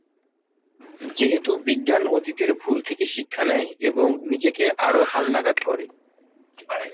যেহেতু বিজ্ঞান অতীতের ভুল থেকে শিক্ষা নেয়, এবং নিজেকে আরো হালনাগাদ করে।